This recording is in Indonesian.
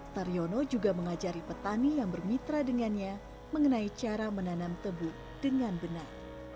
taryono juga mengajari petani yang bermitra dengannya mengenai cara menanam tebu dengan benar